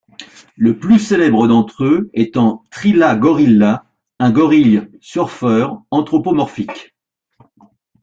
Le plus célèbre d'entre eux étant Thrilla Gorilla, un gorille surfeur anthropomorphique.